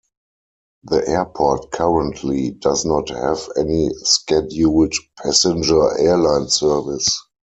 The airport currently does not have any scheduled passenger airline service.